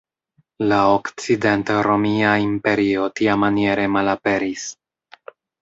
La Okcident-Romia Imperio tiamaniere malaperis.